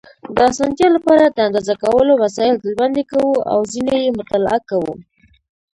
د اسانتیا لپاره د اندازه کولو وسایل ډلبندي کوو او ځینې یې مطالعه کوو.